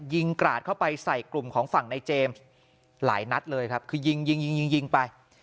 กราดเข้าไปใส่กลุ่มของฝั่งในเจมส์หลายนัดเลยครับคือยิงยิงยิงยิงไป